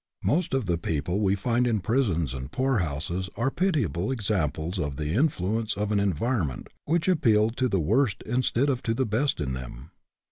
Most of the people we find in prisons and poor houses are pitiable examples of the influence of an environment which appealed to the worst instead of to the best in them.